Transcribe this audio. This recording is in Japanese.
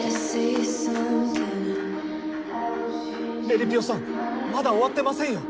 えりぴよさんまだ終わってませんよ！